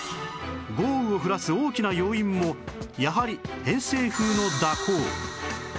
豪雨を降らす大きな要因もやはり偏西風の蛇行